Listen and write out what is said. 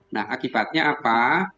nah akibatnya apa